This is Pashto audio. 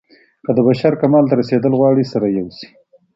که د بشر کمال ته رسېدل غواړئ سره يو سئ.